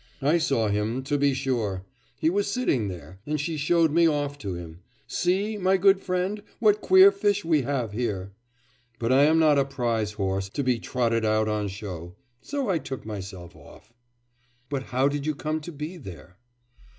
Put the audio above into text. I saw him, to be sure! He was sitting there, and she showed me off to him, "see, my good friend, what queer fish we have here!" But I am not a prize horse, to be trotted out on show, so I took myself off.' 'But how did you come to be there?